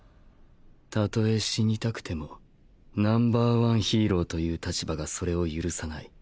例え死にたくても Ｎｏ．１ ヒーローという立場がそれを許さない。